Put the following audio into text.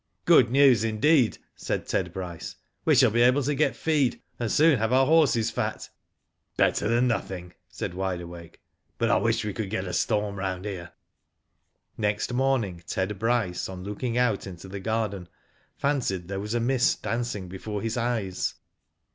"Good news, indeed," said Ted Bryce. "We shall be able to get feed, and soon have our horses fat." It's better than nothing," said Wide Awake; *'but I wish we could get a storm round here." Next morning Ted Bryce on looking out jnto the ' garden fancied there was a mist dancing before his eyes.